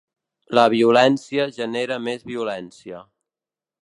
La violència genera més violència.